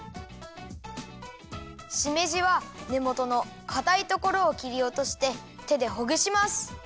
しめじはねもとのかたいところをきりおとしててでほぐします。